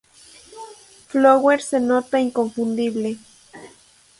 Flowers se nota inconfundible".